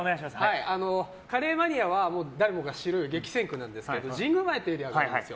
カレーマニアは誰もが知る激戦区なんですけど神宮前というエリアがあるんです。